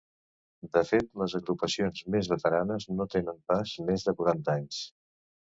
De fet, les agrupacions més veteranes no tenen pas més de quaranta anys.